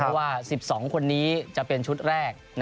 เพราะว่า๑๒คนนี้จะเป็นชุดแรก